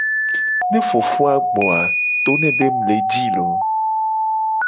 Ne fofo a gbo a to ne be mu le ji i loo.